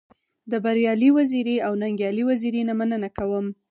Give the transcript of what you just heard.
د بريالي وزيري او ننګيالي وزيري نه مننه کوم.